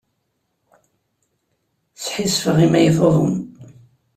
Sḥissifeɣ imi ay tuḍen.